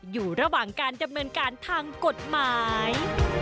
อยู่ระหว่างการดำเนินการทางกฎหมาย